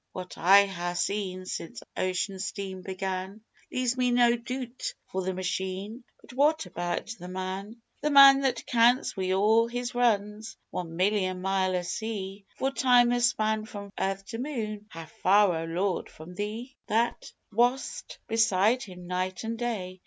What I ha' seen since ocean steam began Leaves me no doot for the machine: but what about the man? The man that counts, wi' all his runs, one million mile o' sea: Four time the span from earth to moon.... How far, O Lord, from Thee? That wast beside him night an' day.